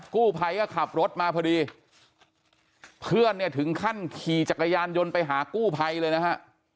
กู้ภัยก็ขับรถมาพอดีเพื่อนเนี่ยถึงขั้นขี่จักรยานยนต์ไปหากู้ภัยเลยนะฮะ